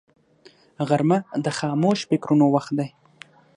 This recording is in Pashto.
غرمه د خاموش فکرونو وخت دی